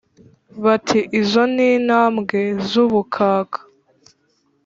Bati: “Izo ni intambwe z’ubukaka,